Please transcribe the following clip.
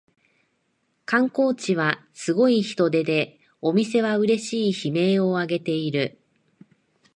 観光地はすごい人出でお店はうれしい悲鳴をあげている